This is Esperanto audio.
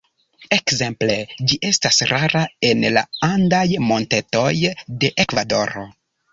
Ekzemple ĝi estas rara en la andaj montetoj de Ekvadoro.